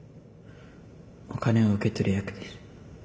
お金を受け取る役です。